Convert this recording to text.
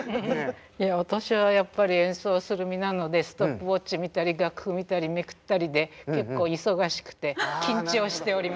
私はやっぱり演奏する身なのでストップウォッチ見たり楽譜見たりめくったりで結構忙しくて緊張しておりました。